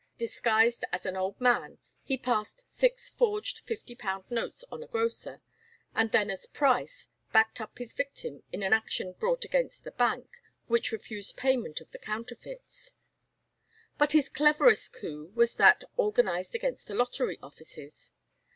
Disguised as an old man, he passed six forged fifty pound notes on a grocer, and then as Price backed up his victim in an action brought against the bank which refused payment of the counterfeits. But his cleverest coup was that organized against the lottery offices.